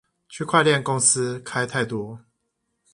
區塊鏈公司開太多